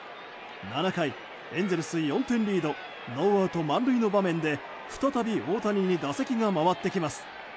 ７回、エンゼルス４点リードノーアウト満塁の場面で再び大谷に打席が回ってきます。